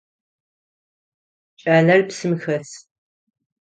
Кӏалэр псым хэс.